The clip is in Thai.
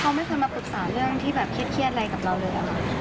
เขาไม่เคยมาปรึกษาเรื่องที่แบบเครียดอะไรกับเราเลยค่ะ